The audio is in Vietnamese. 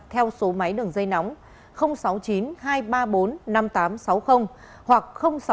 theo số máy đường dây nóng sáu mươi chín hai trăm ba mươi bốn năm nghìn tám trăm sáu mươi hoặc sáu mươi chín hai trăm ba mươi hai một nghìn sáu trăm bảy